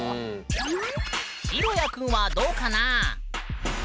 ひろやくんはどうかなぁ？